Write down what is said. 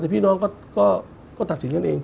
แต่พี่น้องก็ตัดสินกันเอง